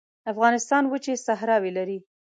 افغانستان وچې صحراوې لري